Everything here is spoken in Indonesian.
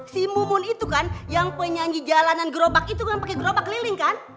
si mumun itu kan yang penyanyi jalanan gerobak itu kan pakai gerobak keliling kan